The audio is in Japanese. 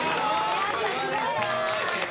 やっぱすごいわ。